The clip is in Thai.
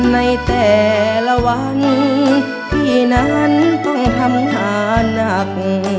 ในแต่ละวันพี่นั้นต้องทำงานหนัก